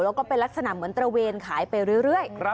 แล้วก็เป็นลักษณะเหมือนตระเวนขายไปเรื่อย